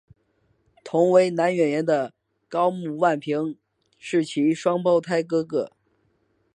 同为男演员的高木万平是其双胞胎哥哥。